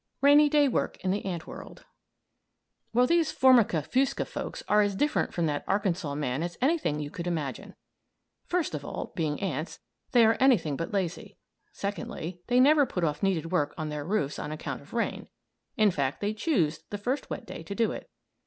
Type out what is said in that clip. RAINY DAY WORK IN THE ANT WORLD Well, these Formica fusca folks are as different from that Arkansas man as anything you could imagine. First of all, being ants, they are anything but lazy; secondly, they never put off needed work on their roofs on account of rain. In fact, they choose the first wet day to do it.